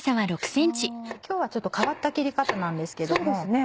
今日はちょっと変わった切り方なんですけども。